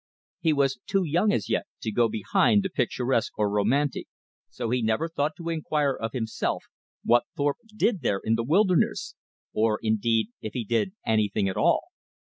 He was too young as yet to go behind the picturesque or romantic; so he never thought to inquire of himself what Thorpe did there in the wilderness, or indeed if he did anything at all.